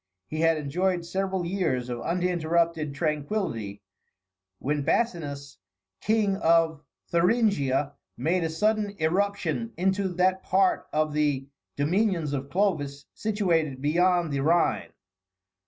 He had enjoyed several years of uninterrupted tranquillity, when Basinus, King of Thuringia, made a sudden irruption into that part of the dominions of Clovis situated beyond the Rhine.